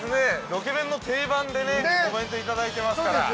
ロケ弁の定番で、お弁当いただいてますから。